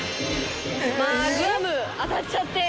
グアム当たっちゃって。